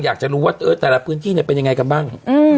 อยากจะรู้ว่าแต่ละพื้นที่เป็นยังไงกันบ้าง